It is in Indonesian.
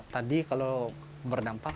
tadi kalau berdampak